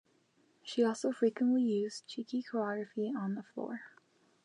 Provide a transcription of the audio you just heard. She also frequently used cheeky choreography on the floor.